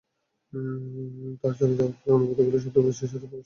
তাঁর চলে যাওয়ার পরের অনুভূতিগুলো শব্দে বসিয়ে সুরে প্রকাশ করা একরকম অসম্ভব।